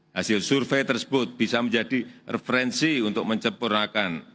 hasil survei tersebut bisa menjadi referensi untuk mencepurnakan